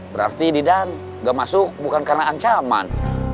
berarti didan gak masuk bukan karena ancaman